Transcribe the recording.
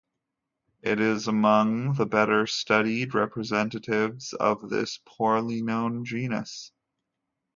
It is among the better studied representatives of this poorly known genus.